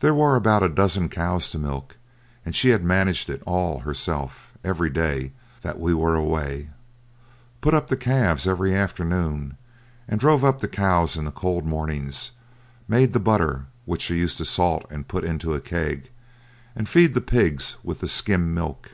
There were about a dozen cows to milk, and she had managed it all herself every day that we were away; put up the calves every afternoon, drove up the cows in the cold mornings, made the butter, which she used to salt and put into a keg, and feed the pigs with the skim milk.